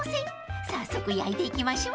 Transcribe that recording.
［早速焼いていきましょう］